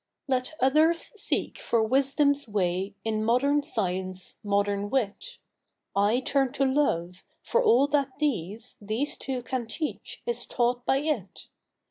Let others seek for ivisdouvs way In modern science, modern ivit, —/ turn to love, for all tJiat these. These tn'O can teach, is taught by it.